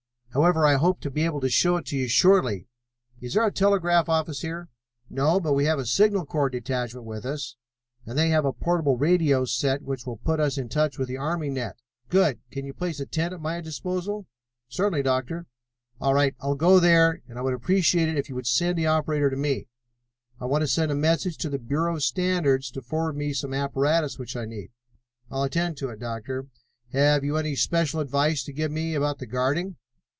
However, I hope to be able to show it to you shortly. Is there a telegraph office here?" "No, but we have a Signal Corps detachment with us, and they have a portable radio set which will put us in touch with the army net." "Good! Can you place a tent at my disposal?" "Certainly, Doctor." "All right, I'll go there, and I would appreciate it if you would send the radio operator to me. I want to send a message to the Bureau of Standards to forward me some apparatus which I need." "I'll attend to it, Doctor. Have you any special advice to give me about the guarding?"